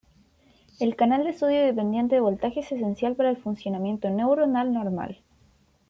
El canal de sodio dependiente de voltaje es esencial para el funcionamiento neuronal normal.